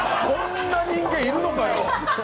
そんな人間いるのかよ。